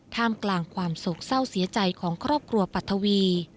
ท่ามกลางความโศกเศร้าเสียใจของครอบครัวปัทวี